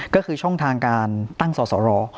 ก็คือช่องทางการตั้งสอสร